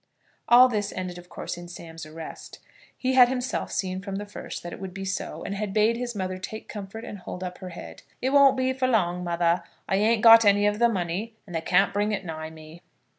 All this ended of course in Sam's arrest. He had himself seen from the first that it would be so, and had bade his mother take comfort and hold up her head. "It won't be for long, mother. I ain't got any of the money, and they can't bring it nigh me."